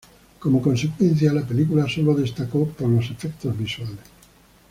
Como consecuencia, la película solo destacó por los efectos visuales.